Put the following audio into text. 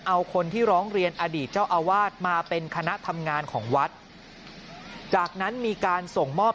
เอาคนที่ร้องเรียนอดีตเจ้าอาวาสมาเป็นคณะทำงานของวัดจากนั้นมีการส่งมอบ